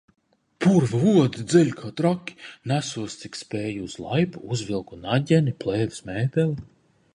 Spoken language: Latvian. Purva odi dzeļ kā traki, nesos, cik spēju uz laipu, uzvilku naģeni, plēves mēteli.